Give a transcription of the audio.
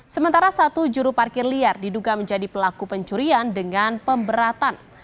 sementara satu juru parkir liar diduga menjadi pelaku pencurian dengan pemberatan